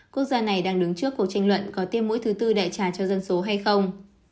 quốc gia này đang đứng trước cuộc tranh luận có tiêm mũi thứ tư đại trà cho dân số hay không